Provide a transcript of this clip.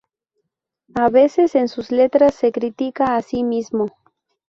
A veces en sus letras se critica a sí mismo.